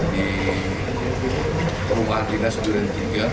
di perumahan dinas duren tiga